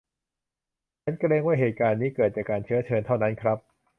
ฉันเกรงว่าเหตุการณ์นี้เกิดจากการเชื้อเชิญเท่านั้นครับ